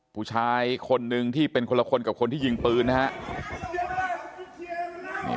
ผู้ชายคนนึงที่เป็นคนละคนกับคนที่ยิงปืนนะครับ